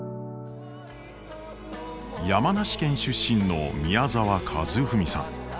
山梨県出身の宮沢和史さん。